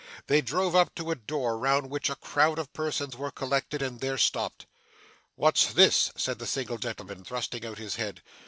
They drove up to a door round which a crowd of persons were collected, and there stopped. 'What's this?' said the single gentleman thrusting out his head.